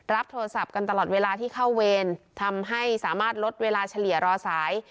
โทรศัพท์กันตลอดเวลาที่เข้าเวรทำให้สามารถลดเวลาเฉลี่ยรอสาย